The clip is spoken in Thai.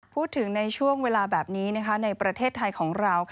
พูดถึงในช่วงเวลาแบบนี้ในประเทศไทยของเรา